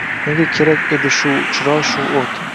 Nega kerak edi shu chiroy, shu o’t